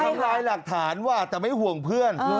ใช่ค่ะทำร้ายหลักฐานว่าแต่ไม่ห่วงเพื่อน